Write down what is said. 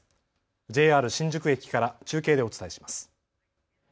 ＪＲ新宿駅から中継でお伝えします。